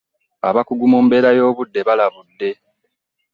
Abakugu mu mbeera y'obudde balabudde.